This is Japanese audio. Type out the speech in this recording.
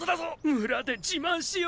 村で自慢しよ！